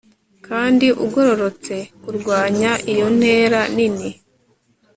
Kandi ugororotse kurwanya iyo ntera nini